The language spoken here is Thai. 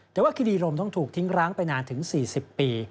แต่ว่าคิรีลมต้องถูกทิ้งร้างไปนานถึง๔๐ปี